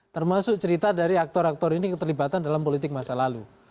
termasuk cerita dari aktor aktor ini keterlibatan dalam politik masa lalu